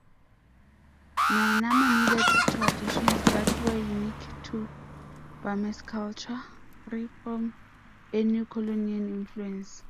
Myanmar needed traditions that were unique to Burmese culture, free from any colonial influence.